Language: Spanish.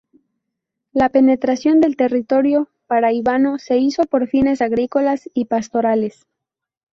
La penetración del territorio Paraibano se hizo por fines agrícolas y pastorales.